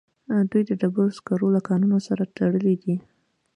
دوی د ډبرو سکارو له کانونو سره تړلي دي